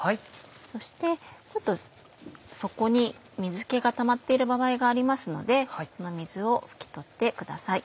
そしてちょっと底に水気がたまっている場合がありますのでその水を拭き取ってください。